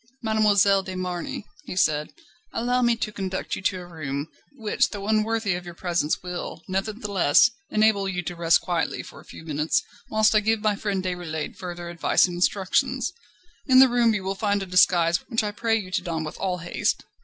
"Mademoiselle de Marny," he said, "allow me to conduct you to a room, which though unworthy of your presence will, nevertheless, enable you to rest quietly for a few minutes, whilst I give my friend Déroulède further advice and instructions. In the room you will find a disguise, which I pray you to don with all haste.